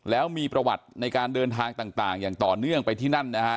แล้วมีประวัติในการเดินทางต่างอย่างต่อเนื่องไปที่นั่นนะฮะ